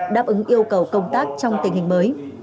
đáp ứng yêu cầu công tác trong tình hình mới